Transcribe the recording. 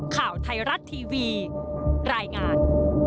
ข่าวไทยรัฐทีวีรายงาน